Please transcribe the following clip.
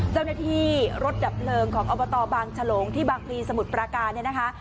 เจ้าหน้าที่รถดับเพลิงของอบตบางฉลงที่บางพลีสมุทรปราการเนี่ยนะคะ